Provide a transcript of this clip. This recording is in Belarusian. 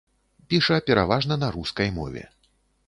Піша пераважна на рускай мове.